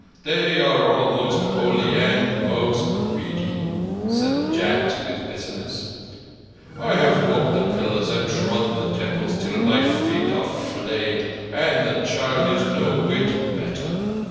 "They are all most holy and—most greedy," said the Jat with bitterness. "I have walked the pillars and trodden the temples till my feet are flayed, and the child is no whit better.